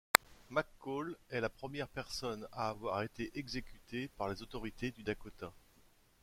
McCall est la première personne à avoir été exécutée par les autorités du Dakota.